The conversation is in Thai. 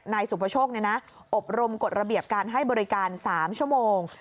นายสุภโชคอบรมกฎระเบียบการให้บริการ๓ชั่วโมง